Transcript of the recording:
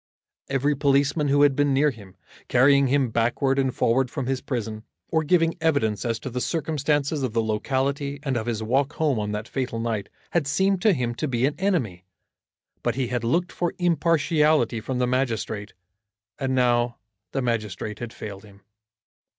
Every policeman who had been near him, carrying him backward and forward from his prison, or giving evidence as to the circumstances of the locality and of his walk home on that fatal night, had seemed to him to be an enemy. But he had looked for impartiality from the magistrate, and now the magistrate had failed him.